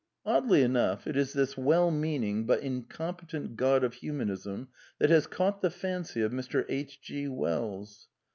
Oddly enough, it is this well meaning but incompetent God of Humanism that has caught the fancy of Mr. H. G. Wells.